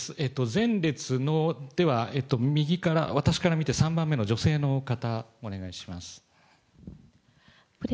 前列の、では右から、私から見て３番目の女性の方、お願いします。